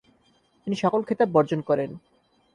তিনি সকল খেতাব বর্জন করেন।